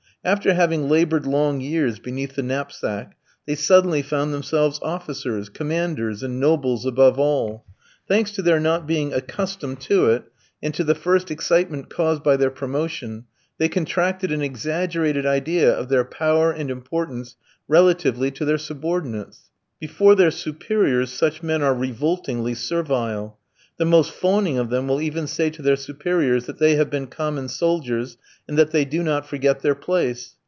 After having laboured long years beneath the knapsack, they suddenly found themselves officers, commanders, and nobles above all. Thanks to their not being accustomed to it, and to the first excitement caused by their promotion, they contracted an exaggerated idea of their power and importance relatively to their subordinates. Before their superiors such men are revoltingly servile. The most fawning of them will even say to their superiors that they have been common soldiers, and that they do not forget their place.